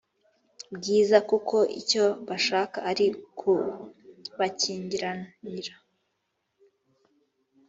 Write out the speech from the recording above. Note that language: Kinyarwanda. bwiza kuko icyo bashaka ari ukubakingiranira